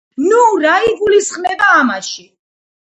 ნუ, რა იგულისხმება ამაში?